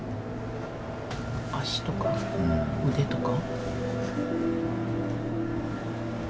脚とか腕とか？